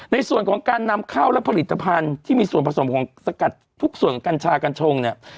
ในส่วนของการนำเข้าและผลิตภัณฑ์ที่มีส่วนผสมของสกัดทุกส่วนของกัญชากัญชงเนี่ย